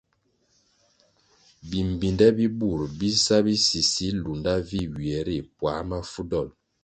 Bimbpinde bi bur bi sa bisisi lunda vih ywie ri puãh mafu dol.